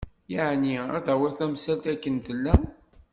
Yeεni ad d-tawiḍ tamsalt akken tella.